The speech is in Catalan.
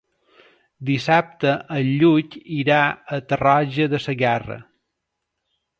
Dissabte en Lluc irà a Tarroja de Segarra.